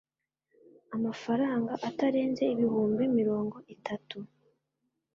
amafaranga atarenze ibihumbi mirongo itatu